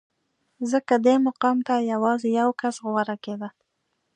ځکه دې مقام ته یوازې یو کس غوره کېده